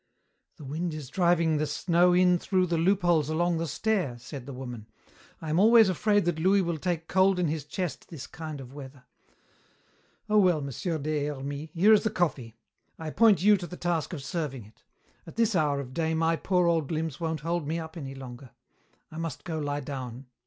"The wind is driving the snow in through the loopholes along the stair," said the woman. "I am always afraid that Louis will take cold in his chest this kind of weather. Oh, well, Monsieur des Hermies, here is the coffee. I appoint you to the task of serving it. At this hour of day my poor old limbs won't hold me up any longer. I must go lie down."